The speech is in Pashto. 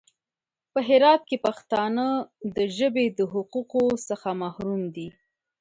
په هرات کې پښتانه د ژبې د حقوقو څخه محروم دي.